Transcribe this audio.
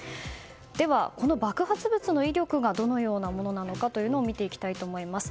では、この爆発物の威力がどのようなものかというのを見ていきたいと思います。